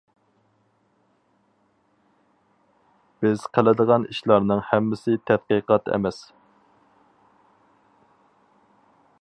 بىز قىلىدىغان ئىشلارنىڭ ھەممىسى تەتقىقات ئەمەس.